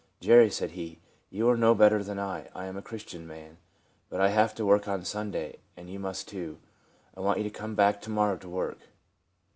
"Jerry," said he, "you are no better than I. I am a Christian man, but I have to work on Sunday, and you must too. I want you to come to morrow to work."